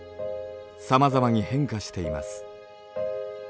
さまざまに変化しています。